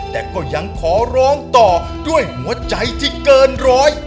แต่ก็ยังขอร้องต่อด้วยหัวใจที่เกินร้อย